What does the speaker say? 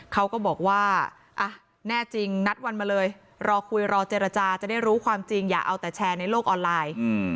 เขาก็บอกว่าอ่ะแน่จริงนัดวันมาเลยรอคุยรอเจรจาจะได้รู้ความจริงอย่าเอาแต่แชร์ในโลกออนไลน์